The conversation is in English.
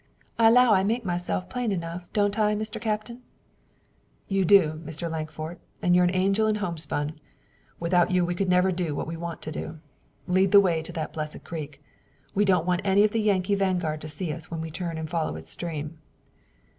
I 'low I make myself plain enough, don't I, Mr. Captain?" "You do, Mr. Lankford, and you're an angel in homespun. Without you we could never do what we want to do. Lead the way to that blessed creek. We don't want any of the Yankee vanguard to see us when we turn and follow its stream."